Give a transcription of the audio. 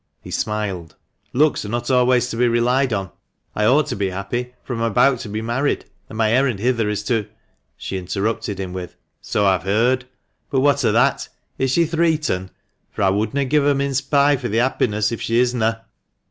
He smiled. " Looks are not always to be relied on. I ought to be happy, for I am about to be married, and my errand hither is to " She interrupted him with — "So I've heard. But what o' that? Is she th' reet un ? For I wouldna give a mince pie for thi' happiness if she isna."